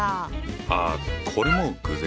ああこれも偶然。